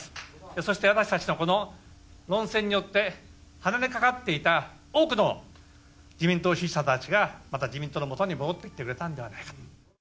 そして私たちのこの論戦によって、離れかかっていた多くの自民党支持者たちが、また自民党のもとに戻ってきてくれたんではないかと。